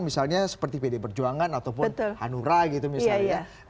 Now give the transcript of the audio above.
misalnya seperti pd perjuangan ataupun hanura gitu misalnya ya